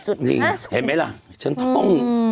เห็นมั้ยแหละ้ชั้นท้อง